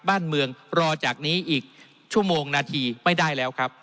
บ้านเมืองรอจากนี้อีกชั่วโมงนาทีไม่ได้แล้วครับ